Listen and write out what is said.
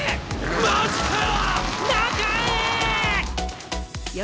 マジかよ！